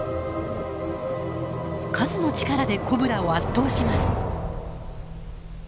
数の力でコブラを圧倒します。